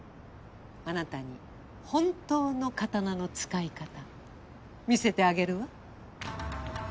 あなたに本当の刀の使い方見せてあげるわ。